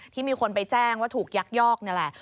ที่มีคนไปแจ้งว่าถูกยักยอกนี่แหละ